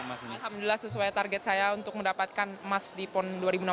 alhamdulillah sesuai target saya untuk mendapatkan emas di pon dua ribu enam belas